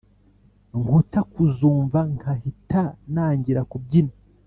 nkuta kuzumva nkahita nangira kubyina